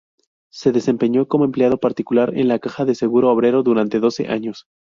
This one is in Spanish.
Se desempeñó como empleado particular, en la Caja de Seguro Obrero durante doce años.